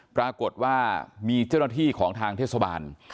ปรากฏว่ามีเจ้าหน้าที่ของทางเทศบาล